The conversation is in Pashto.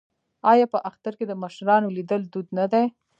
آیا په اختر کې د مشرانو لیدل دود نه دی؟